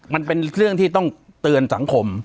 มันเป็นเรื่องที่ต้องเตือนสังคม